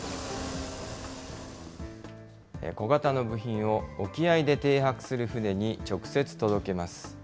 小型の部品を沖合で停泊する船に直接届けます。